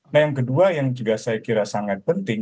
nah yang kedua yang juga saya kira sangat penting